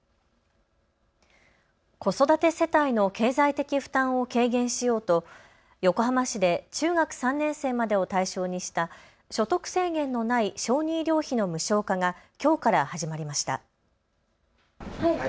子育て世帯の経済的負担を軽減しようと横浜市で中学３年生までを対象にした所得制限のない小児医療費の無償化がきょうから始まりました。